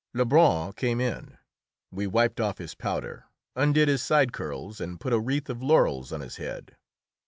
Lebrun came in; we wiped off his powder, undid his side curls, and put a wreath of laurels on his head.